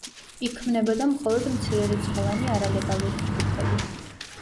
იქმნებოდა მხოლოდ მცირერიცხოვანი არალეგალური ჯგუფები.